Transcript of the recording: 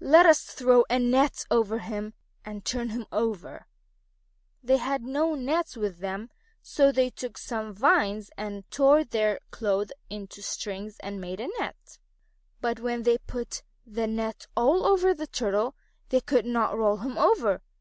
Let us throw a net over him and turn him over." They had no nets with them, so they took some vines, and tore their clothes into strings and made a net. But when they had put the net all over the Turtle, they could not roll him over.